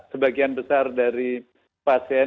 sebagian besar dari pasien